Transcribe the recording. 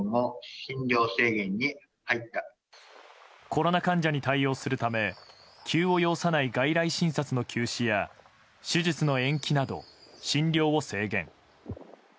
コロナ患者に対応するため急を要さない外来診察の休止や手術の延期など診療を制限。